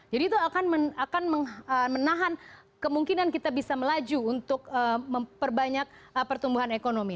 jadi itu akan menahan kemungkinan kita bisa melaju untuk memperbanyak pertumbuhan ekonomi